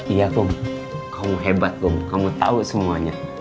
iya kom kamu hebat kom kamu tau semuanya